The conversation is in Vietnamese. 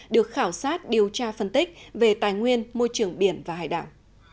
được khảo sát điều tra phân tích về tài nguyên môi trường biển và hải đảo